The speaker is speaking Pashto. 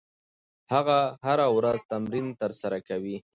هغه هره ورځ تمرین ترسره کوي.